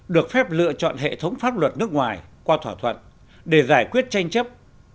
được phép lựa chọn hệ thống pháp luật nước ngoài qua thỏa thuận để giải quyết tranh chấp